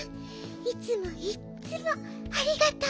いつもいっつもありがとう！